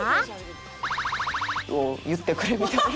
「を言ってくれ」みたいな。